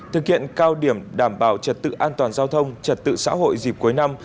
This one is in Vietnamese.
thực hiện cao điểm đảm bảo trật tự an toàn giao thông trật tự xã hội dịp cuối năm